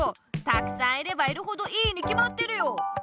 たくさんいればいるほどいいにきまってるよ！